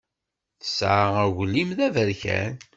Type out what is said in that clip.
Tesɛa aglim d aberkan.